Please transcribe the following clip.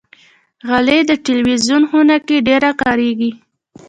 غالۍ د تلویزون خونه کې ډېره کاریږي.